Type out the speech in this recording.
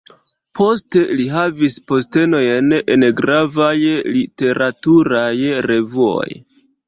Poste li havis postenojn en gravaj literaturaj revuoj.